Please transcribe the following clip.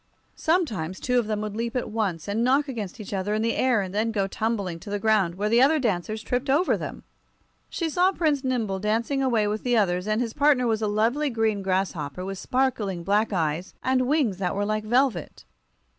Sometimes two of them would leap at once, and knock against each other in the air, and then go tumbling to the ground, where the other dancers tripped over them. She saw Prince Nimble dancing away with the others, and his partner was a lovely green grasshopper with sparkling black eyes and wings that were like velvet.